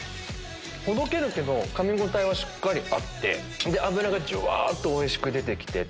ほどけるけどかみ応えはしっかりあって脂がじゅわっとおいしく出てきて。